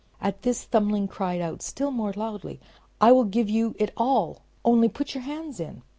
At this, Thumbling cried out still more loudly, "I will give you it all, only put your hands in."